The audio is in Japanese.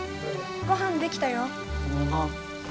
ごはん出来たよ。